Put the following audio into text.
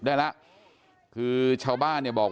เดี๋ยวให้กลางกินขนม